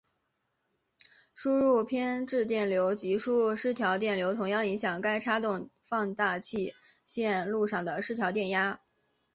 输入偏置电流及输入失调电流同样影响该差动放大器线路上的失调电压。